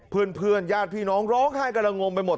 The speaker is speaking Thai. เพื่อนญาติพี่น้องร้องไห้กำลังงมไปหมด